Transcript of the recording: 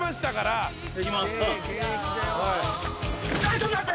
ちょっと待って！